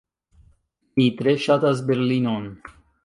Mi tre ŝatas Berlinon.